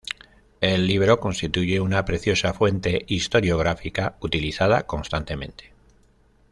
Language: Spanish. El libro constituye una preciosa fuente historiográfica, utilizada constantemente.